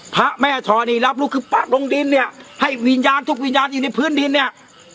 พระแม่ธรณีรับลูกคือป๊ะลงดินเนี่ยให้วิญญาณทุกวิญญาณอยู่ในพื้นดินเนี่ย